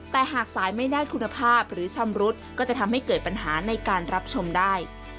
แต่หากสายไม่ได้คุณภาพหรือชำรุดก็จะทำให้เกิดปัญหาในการรับชมได้